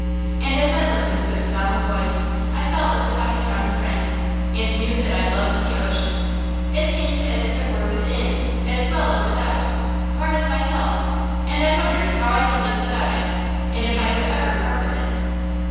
And as I listened to its solemn voice, I felt as if I had found a friend, and knew that I loved the ocean. It seemed as if it were within as well as without, part of myself; and I wondered how I had lived without it, and if I could ever part with it.